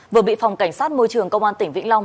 vừa bị phòng cảnh sát môi trường công an tỉnh vĩnh long